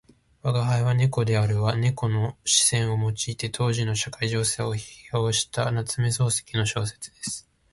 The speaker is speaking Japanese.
「吾輩は猫である」は猫の視線を用いて当時の社会情勢を批評した夏目漱石の小説です。